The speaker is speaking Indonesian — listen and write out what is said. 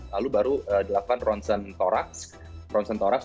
lalu baru dilakukan ronsen thorax